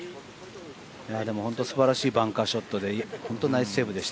でも、本当に素晴らしいバンカーショットでナイスセーブでした。